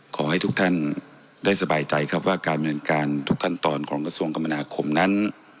ขอให้ทุกท่านได้สบายใจครับว่าการบริเวณการทุกขั้นตอนของกระทรวงกรรมนาคมนั้น